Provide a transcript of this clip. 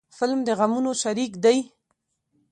فلم د غمونو شریک دی